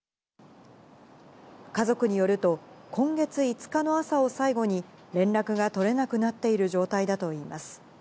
家族によると、今月５日の朝を最後に連絡が取れなくなっている状態だといいます。